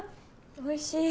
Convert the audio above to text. おいしい。